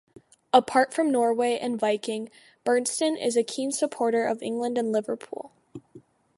Apart from Norway and Viking, Berntsen is a keen supporter of England and Liverpool.